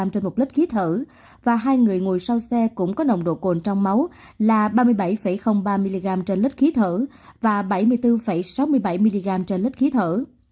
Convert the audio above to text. trên một lít khí thở và hai người ngồi sau xe cũng có nồng độ cồn trong máu là ba mươi bảy ba mg trên lít khí thở và bảy mươi bốn sáu mươi bảy mg trên lít khí thở